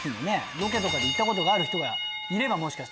ロケで行ったことある人がいれば。